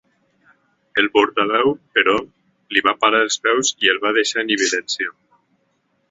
El portaveu, però, li va parar els peus i el va deixar en evidència.